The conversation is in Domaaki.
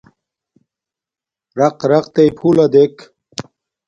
رَقرَقتݵئ پھُلݳ دݵک.